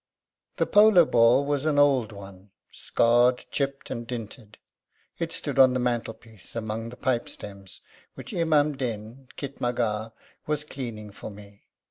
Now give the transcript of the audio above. The polo ball was an old one, scarred, chipped, and dinted. It stood on the mantelpiece among the pipe stems which Imam Din, khitmatgar, was cleaning for me.